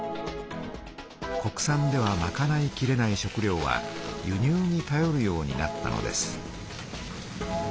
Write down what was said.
国産ではまかないきれない食料は輸入にたよるようになったのです。